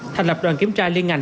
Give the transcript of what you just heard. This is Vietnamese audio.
thành lập đoàn kiểm tra liên ngành